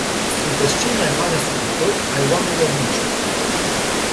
Sunteți cei mai mari asupritori ai oamenilor muncii.